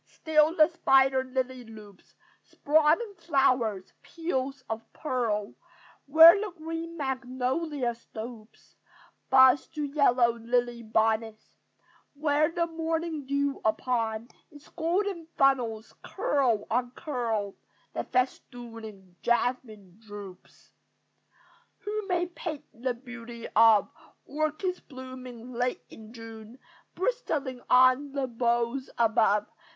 Still the spider lily loops Sprawling flowers, peels of pearl, Where the green magnolia stoops Buds to yellow lily bonnets; Where, the morning dew upon its Golden funnels, curl on curl, The festooning jasmine droops. Who may paint the beauty of Orchids blooming late in June, Bristling on the boughs above!